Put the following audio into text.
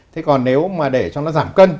thế còn nếu mà để cho nó giảm cân